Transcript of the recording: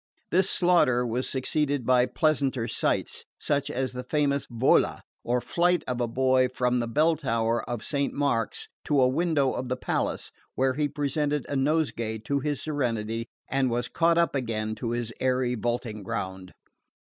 This slaughter was succeeded by pleasanter sights, such as the famous Vola, or flight of a boy from the bell tower of Saint Mark's to a window of the palace, where he presented a nosegay to his Serenity and was caught up again to his airy vaulting ground.